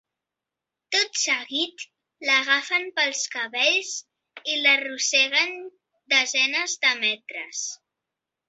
Tot seguit l’agafen pels cabells i l’arrosseguen desenes de metres.